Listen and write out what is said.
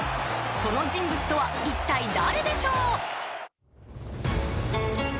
［その人物とはいったい誰でしょう］